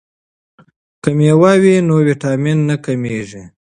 که میوه وي نو ویټامین نه کمیږي.